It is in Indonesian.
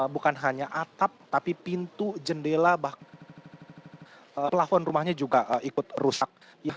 bukan hanya atap tapi pintu jendela pelafon rumahnya juga ikut rusak